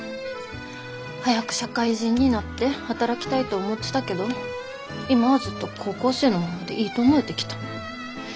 早く社会人になって働きたいと思ってたけど今はずっと高校生のままでいいと思えてきた。